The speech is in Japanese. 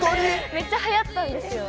めっちゃはやったんですよ。